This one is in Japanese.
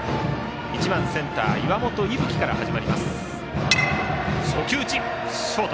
１番センター、岩本聖冬生から始まります。